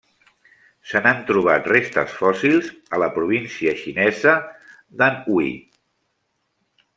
Se n'han trobat restes fòssils a la província xinesa d'Anhui.